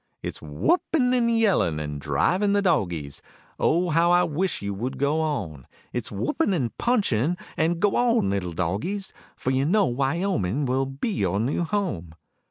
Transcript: It's whooping and yelling and driving the dogies; Oh how I wish you would go on; It's whooping and punching and go on little dogies, For you know Wyoming will be your new home.